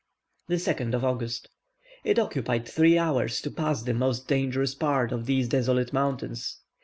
2nd August. It occupied three hours to pass the most dangerous part of these desolate mountains.